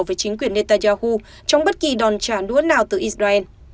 với chính quyền netanyahu trong bất kỳ đòn trả đũa nào từ israel